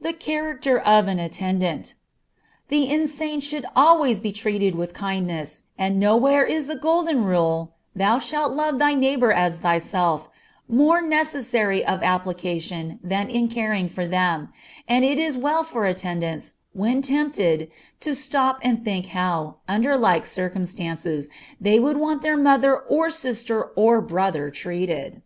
The Character of an Attendant. The insane should always be treated with kindness, and nowhere is the golden rule "thou shalt love thy neighbor as thyself" more necessary of application than in caring for them; and it is well for attendants, when tempted, to stop and think how, under like circumstances, they would want their mother or sister or brother treated.